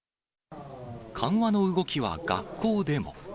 緩和の動きは学校でも。